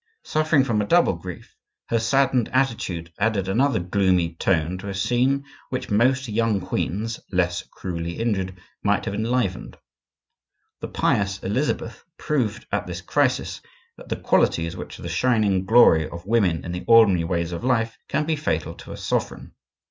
Suffering from a double grief, her saddened attitude added another gloomy tone to a scene which most young queens, less cruelly injured, might have enlivened. The pious Elizabeth proved at this crisis that the qualities which are the shining glory of women in the ordinary ways of life can be fatal to a sovereign.